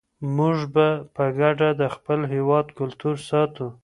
موږ به په ګډه د خپل هېواد کلتور ساتو.